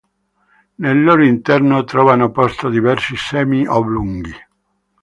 Nel loro interno trovano posto diversi semi oblunghi.